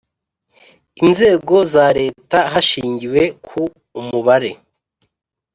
Inzego za leta hashingiwe ku umubare